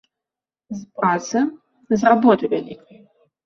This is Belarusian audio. З працы, з работы вялікай.